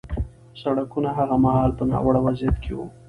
سړکونه هغه مهال په ناوړه وضعیت کې وو